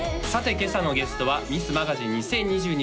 今朝のゲストはミスマガジン２０２２